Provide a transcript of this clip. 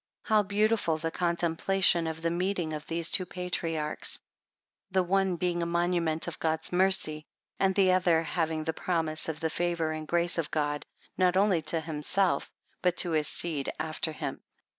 How beautiful the contemplation of the meeting of these two Patriarchs, the one being a monument of God's mercy, and the other having the pro mise of the favour and grace of God, not only to himself, but to his seed after him.